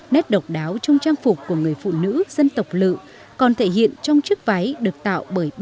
nét độc đáo trong trang phục của người phụ nữ dân tộc lự còn thể hiện trong chiếc váy được tạo bởi